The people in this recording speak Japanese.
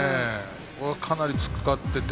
かなり突っかかってて。